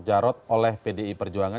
pencalon ahok jarod oleh pdi perjuangan